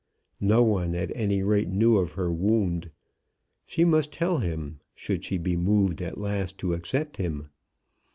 No one, at any rate, knew of her wound. She must tell him, should she be moved at last to accept him.